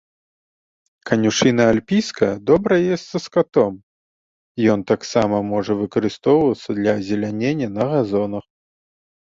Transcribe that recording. Канюшына альпійская добра есца скатом, ён таксама можа выкарыстоўвацца для азелянення на газонах.